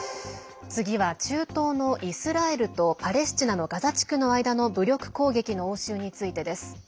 次は中東のイスラエルとパレスチナのガザ地区の間の武力攻撃の応酬についてです。